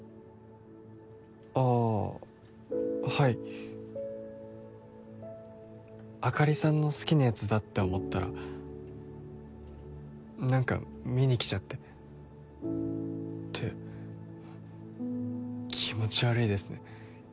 あはいあかりさんの好きなやつだって思ったら何か見に来ちゃってって気持ち悪いですね